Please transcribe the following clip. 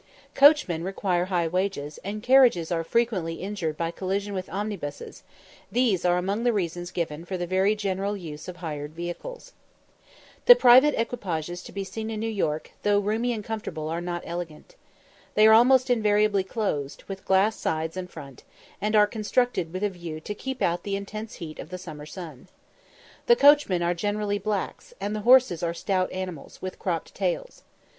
Coachmen require high wages, and carriages are frequently injured by collision with omnibuses; these are among the reasons given for the very general use of hired vehicles. The private equipages to be seen in New York, though roomy and comfortable, are not elegant. They are almost invariably closed, with glass sides and front, and are constructed with a view to keep out the intense heat of the summer sun. The coachmen are generally blacks, and the horses are stout animals, with cropped tails.